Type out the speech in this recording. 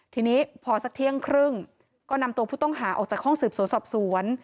ทีนี้พอสักเที่ยงครึ่งก็นำตัวผู้ต้องหาออกจากห้องสืบสวนสอบสวน